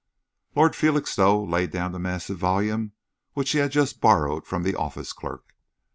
Lord Felixstowe laid down the massive volume which he had just borrowed from the office clerk.